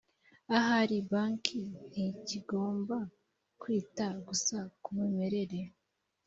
ahari banki ntikigomba kwita gusa ku mimerere